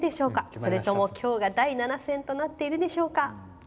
それとも今日が第７戦となっているでしょうか。